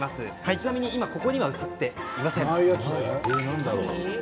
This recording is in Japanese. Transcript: ちなみにここには今、映っていません。